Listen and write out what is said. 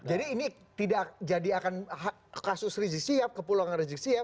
jadi ini tidak jadi akan kasus rizik syihab kepulangan rizik syihab